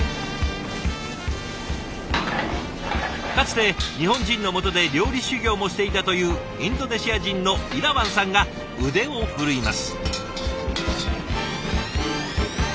かつて日本人のもとで料理修業もしていたというインドネシア人のイラワンさんが腕を振るいます。